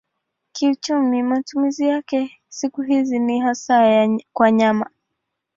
Kiuchumi matumizi yake siku hizi ni hasa kwa nyama.